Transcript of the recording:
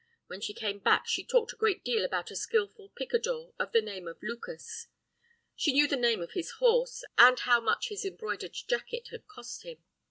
When she came back she talked a great deal about a skilful picador of the name of Lucas. She knew the name of his horse, and how much his embroidered jacket had cost him.